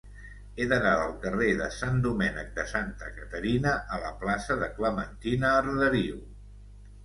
He d'anar del carrer de Sant Domènec de Santa Caterina a la plaça de Clementina Arderiu.